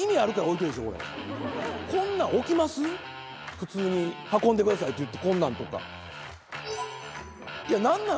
普通に運んでくださいっていってこんなんとか。